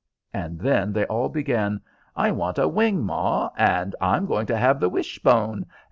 and then they all began: "I want a wing, ma!" and "I'm going to have the wish bone!"